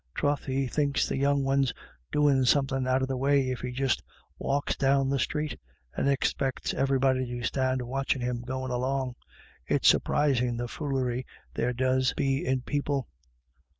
Troth, he thinks the young one's doin' somethin* out of the way if he just walks down the street, and expecs everybody to stand watchin' him goin' along. It's surprisin' the foolery there does be in people."